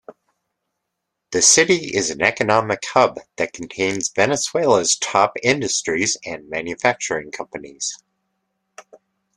The city is an economic hub that contains Venezuela's top industries and manufacturing companies.